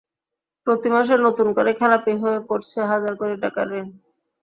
প্রতি মাসে নতুন করে খেলাপি হয়ে পড়ছে হাজার কোটি টাকার ঋণ।